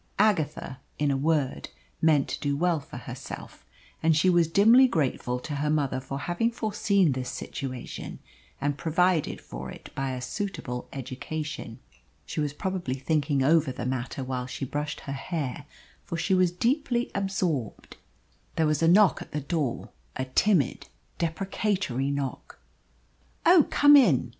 Agatha, in a word, meant to do well for herself, and she was dimly grateful to her mother for having foreseen this situation and provided for it by a suitable education. She was probably thinking over the matter while she brushed her hair, for she was deeply absorbed. There was a knock at the door a timid, deprecatory knock. "Oh, come in!"